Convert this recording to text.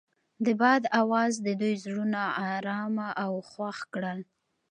د باد اواز د دوی زړونه ارامه او خوښ کړل.